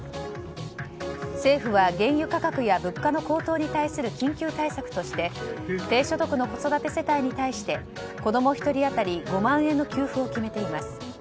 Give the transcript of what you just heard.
政府は原油価格や物価の高騰に対する緊急対策として低所得の子育て世帯に対して子供１人当たり５万円の給付を決めています。